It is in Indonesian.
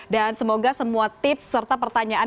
dan semoga semua tips serta pertanyaan